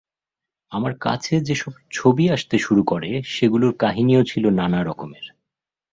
আমার কাছে যেসব ছবি আসতে শুরু করে, সেগুলোর কাহিনিও ছিল নানা রকমের।